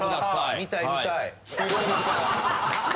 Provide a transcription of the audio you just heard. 見たい見たい。